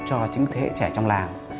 cho chính thể trẻ trong làng